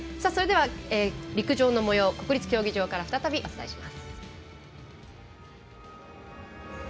それでは、陸上のもようを国立競技場から再びお伝えします。